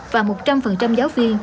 và một trăm linh giáo viên